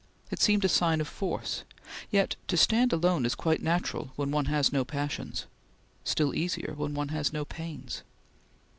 It seemed a sign of force; yet to stand alone is quite natural when one has no passions; still easier when one has no pains.